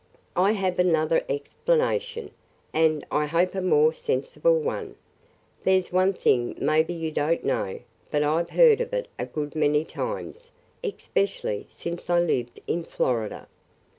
I have another explanation and, I hope a more sensible one. "There 's one thing maybe you don't know, but I 've heard of it a good many times, especially since I lived in Florida.